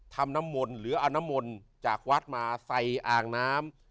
น้ำมนต์หรือเอาน้ำมนต์จากวัดมาใส่อ่างน้ำ